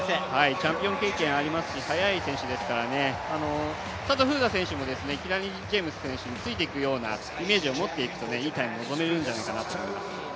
チャンピオン経験ありますし、速い選手ですから、佐藤風雅選手もいきなりジェームス選手について行くようなイメージを持っていくといいと思います。